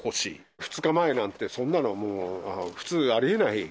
２日前なんて、そんなのはもう、普通ありえない。